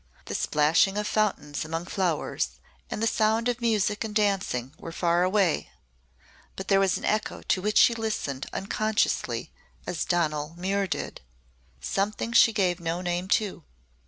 The splashing of fountains among flowers, and the sound of music and dancing were far away but there was an echo to which she listened unconsciously as Donal Muir did. Something she gave no name to.